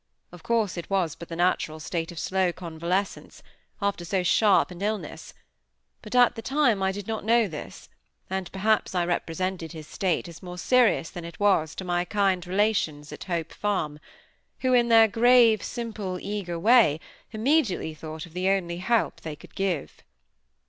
Of course, it was but the natural state of slow convalescence, after so sharp an illness; but, at the time, I did not know this, and perhaps I represented his state as more serious than it was to my kind relations at Hope Farm; who, in their grave, simple, eager way, immediately thought of the only help they could give.